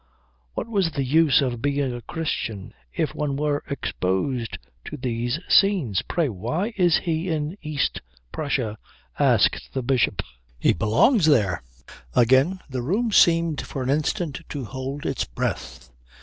What was the use of being a Christian if one were exposed to these scenes? "Pray, why is he in East Prussia?" asked the Bishop. "He belongs there." Again the room seemed for an instant to hold its breath.